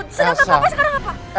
sedangkan papa sekarang apa